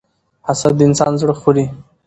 حسد د انسان زړه خوري.